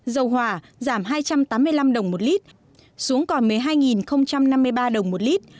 dầu hỏa giảm hai trăm tám mươi năm đồng một lít xuống còn một mươi hai năm mươi ba đồng một lít